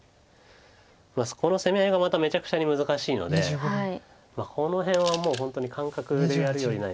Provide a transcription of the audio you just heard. この攻め合いがまためちゃくちゃに難しいのでこの辺はもう本当に感覚でやるよりない。